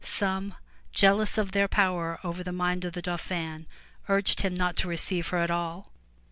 Some, jealous of their power over the mind of the Dauphin, urged him not to receive her at all.